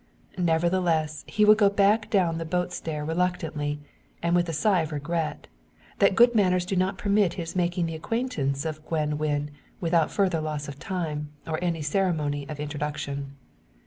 Nevertheless, he would go back down the boat stair reluctantly, and with a sigh of regret, that good manners do not permit his making the acquaintance of Gwen Wynn without further loss of time, or any ceremony of introduction.